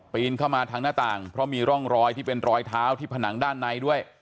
เข้ามาทางหน้าต่างเพราะมีร่องรอยที่เป็นรอยเท้าที่ผนังด้านในด้วย